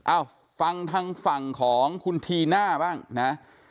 อ้าวฟังทางฝั่งของคุณฮีหน้าบ้างนะฮะ